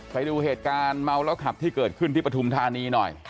ไปดูเหตุการณ์เมาแล้วขับที่เกิดขึ้นที่ปฐุมธานีหน่อย